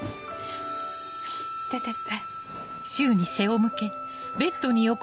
出てって。